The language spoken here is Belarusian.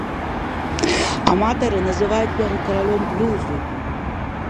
Аматары называюць яго каралём блюзу.